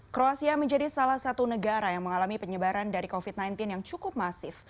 kroasia menjadi salah satu negara yang mengalami penyebaran dari covid sembilan belas yang cukup masif